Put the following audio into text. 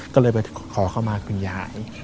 ก็เลยไปขอเข้ามาคุณยาย